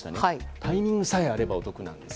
タイミングさえ合えばお得なんです。